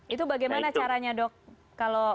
itu bagaimana caranya dok